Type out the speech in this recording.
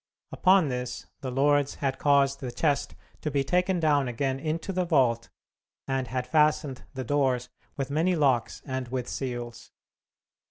Upon this, the lords had caused the chest to be taken down again into the vault, and had fastened the doors with many locks and with seals.